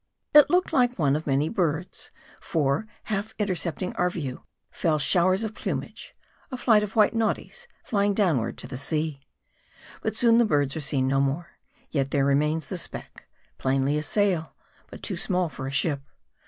It looked like one of many birds ; for half intercepting our view, fell showers of plumage : a flight of milk white nod dies flying downward to the sea. But soon the birds are seen no more. Yet there remains the speck ; plainly a sail ; but too small for a ship.